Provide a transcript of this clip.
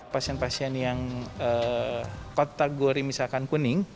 pasien pasien yang kategori misalkan kuning